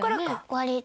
割と。